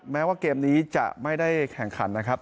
แม้ว่าเกมนี้จะไม่ได้แข่งขันนะครับ